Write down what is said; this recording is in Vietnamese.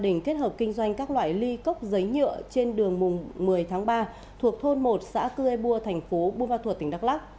hộ gia đình kết hợp kinh doanh các loại ly cốc giấy nhựa trên đường mùng một mươi tháng ba thuộc thôn một xã cư ê bua thành phố bunga thuật tỉnh đắk lắk